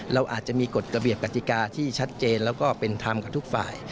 เราอาจจะมีกฎระเบียบกติกาที่ชัดเจนแล้วก็เป็นธรรมกับทุกฝ่าย